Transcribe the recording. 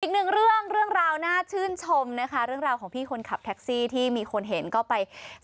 อีกหนึ่งเรื่องเรื่องราวน่าชื่นชมนะคะเรื่องราวของพี่คนขับแท็กซี่ที่มีคนเห็นก็ไป